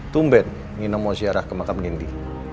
tumben nino mau ziarah ke makam nindi